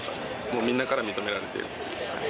みんなから認められている。